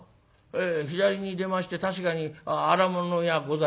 ええ左に出まして確かに荒物屋ございます。